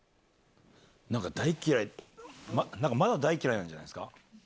何か大嫌いまだ大嫌いなんじゃないですか？